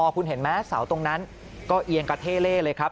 ของกรทมคุณเห็นไหมสาวตรงนั้นก็เอียงกับเทเล่เลยครับ